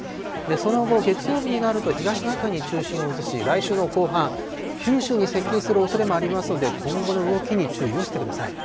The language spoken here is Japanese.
その後、月曜日になると東シナ海に中心を移し、来週の後半、九州に接近するおそれもありますので、今後の動きに注意をしてください。